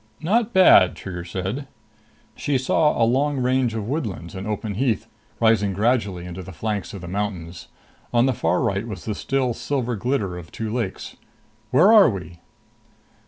"Not bad," Trigger said. She saw a long range of woodlands and open heath, rising gradually into the flanks of the mountains. On the far right was the still, silver glitter of two lakes. "Where are we?"